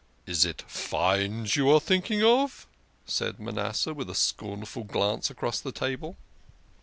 "Is it fines you are thinking of?" said Manasseh with a scornful glance across the table.